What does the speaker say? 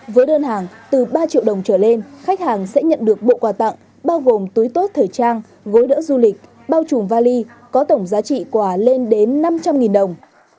với đơn hàng từ ba triệu đồng trở lên khách hàng sẽ nhận được bộ quà tặng bao gồm túi tốt thời trang gối đỡ du lịch bao trùm vali có tổng giá trị quà lên đến năm trăm linh đồng